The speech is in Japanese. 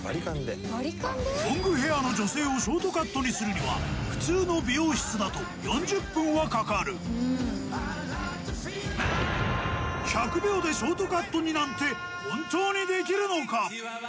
ロングヘアの女性をショートカットにするには普通の美容室だと４０分はかかるなんて本当にできるのか？